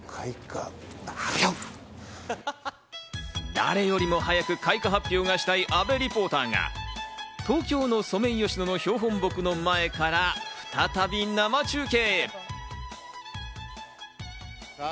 誰よりも早く開花発表がしたい阿部リポーターが東京のソメイヨシノの標本木の前から再び生中継。